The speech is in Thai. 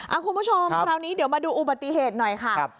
คุณผู้ชมคราวนี้เดี๋ยวมาดูอุบัติเหตุหน่อยค่ะ